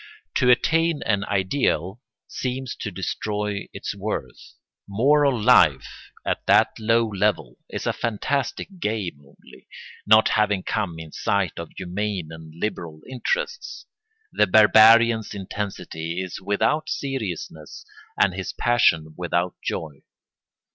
To attain an ideal seems to destroy its worth. Moral life, at that low level, is a fantastic game only, not having come in sight of humane and liberal interests. The barbarian's intensity is without seriousness and his passion without joy.